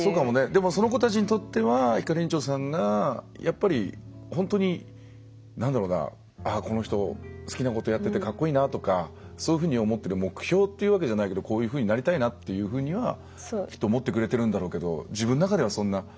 でもその子たちにとってはひかりんちょさんが本当に何だろうなあっこの人好きなことやっててかっこいいなとかそういうふうに思ってる目標っていうわけじゃないけどこういうふうになりたいなっていうふうにはきっと思ってくれてるんだろうけど自分の中ではそんな。